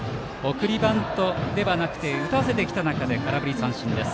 送りバントではなくて打たせてきた中で空振り三振です。